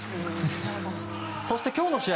そして今日の試合